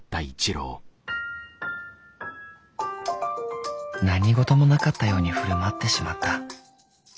心の声何事もなかったように振る舞ってしまった。